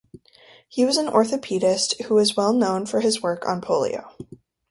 He was an orthopedist who was well known for his work on polio.